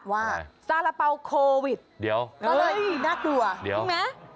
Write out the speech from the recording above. ว่าสาระเป๋าโควิดเดี๋ยวก็เลยน่ากลัวเดี๋ยวรู้ไหม